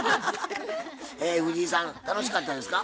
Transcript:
藤井さん楽しかったですか？